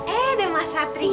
eh ada mas satria